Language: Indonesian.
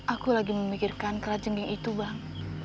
aku lagi memikirkan kerajengging itu bang